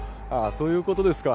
そういうことですか